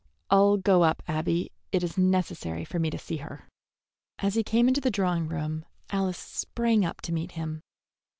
"I'll go up, Abby. It is necessary for me to see her." As he came into the drawing room Alice sprang up to meet him.